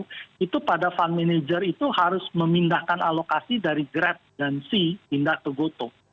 nah itu pada fund manager itu harus memindahkan alokasi dari grab dan c pindah ke gotoh